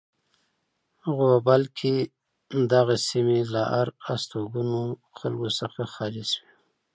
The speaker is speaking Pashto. غوبل کې دغه سیمې له آر استوګنو خلکو څخه خالی شوې.